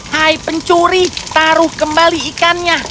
hai pencuri taruh kembali ikannya